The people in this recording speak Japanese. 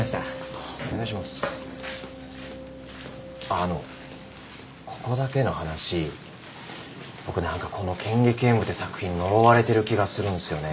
あのここだけの話僕なんかこの『剣戟炎武』って作品呪われてる気がするんですよね。